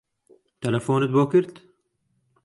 تەلەفۆنت بۆ کرد؟